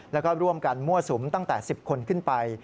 แล้วก็ร่วมกันมั่วสุมตั้งแต่๑๐คนขึ้นไป